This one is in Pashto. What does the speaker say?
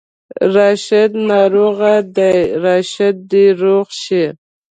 راشد ناروغ دی، راشد دې روغ شي